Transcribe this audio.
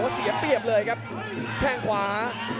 เสียเปรียบเลยครับแข้งขวา